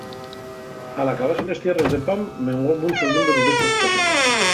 Al acabase les tierres de pan menguó muncho'l númberu d'estos páxaros.